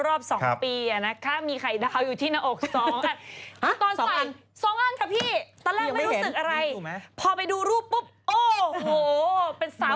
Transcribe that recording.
รอด้วยวันนี้มีตอบคำถามถึงเสื้อของเราด้วย